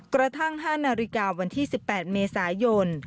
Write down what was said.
กระทั่ง๕นาฬิกาวันที่๑๘เมษายน